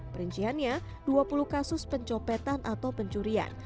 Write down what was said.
perinciannya dua puluh kasus pencopetan atau pencurian